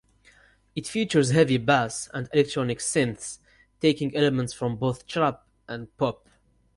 It features heavy bass and electronic synths taking elements from both trap and pop.